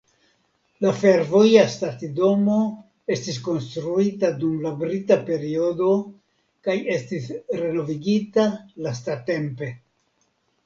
La fervoja stacidomo estis konstruita dum la brita periodo kaj estis renovigita lastatempe.